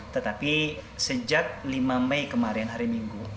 tetapi sejak lima mei kemarin hari minggu